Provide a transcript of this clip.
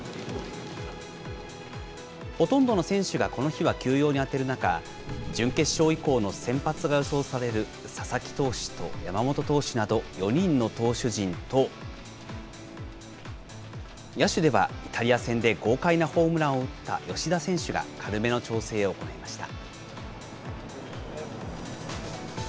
ほとんどの選手がこの日は休養に充てる中、準決勝以降の先発が予想される佐々木投手と山本投手など４人の投手陣と野手では、イタリア戦で豪快なホームランを打った吉田選手が軽めの調整を行いました。